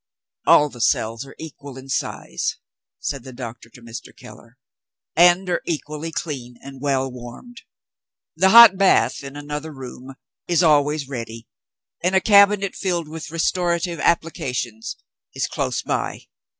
"All the cells are equal in size," said the doctor to Mr. Keller, "and are equally clean, and well warmed. The hot bath, in another room, is always ready; and a cabinet, filled with restorative applications, is close by.